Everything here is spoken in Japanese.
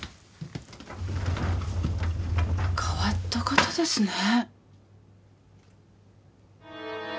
変わった方ですねぇ。